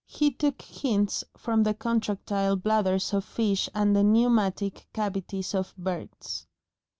He took hints from the contractile bladders of fish and the pneumatic cavities of birds.